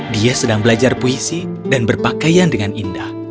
dia sedang belajar puisi dan berpakaian dengan indah